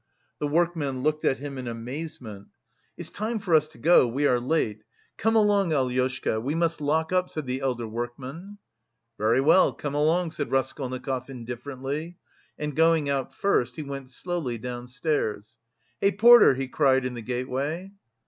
The workmen looked at him in amazement. "It's time for us to go, we are late. Come along, Alyoshka. We must lock up," said the elder workman. "Very well, come along," said Raskolnikov indifferently, and going out first, he went slowly downstairs. "Hey, porter," he cried in the gateway.